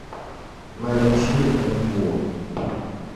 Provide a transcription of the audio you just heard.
Maalim shili n-gu o.